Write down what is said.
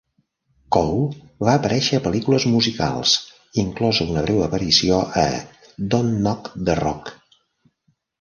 Cole va aparèixer a pel·lícules musicals, inclosa una breu aparició a "Don"t Knock the Rock".